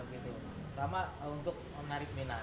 pertama untuk menarik minat